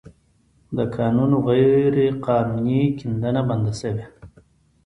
د کانونو غیرقانوني کیندنه بنده شوې